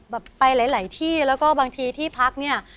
ไปหลายที่แล้วก็บางทีที่พักเนี่ย